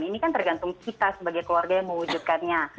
ini kan tergantung kita sebagai keluarga yang mewujudkannya